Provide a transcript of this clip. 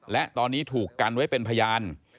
และตอนนี้ถูกกันไว้เป็นพยาน